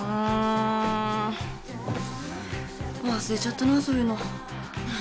忘れちゃったなそういうの。